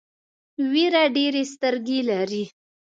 وېره ډېرې سترګې لري.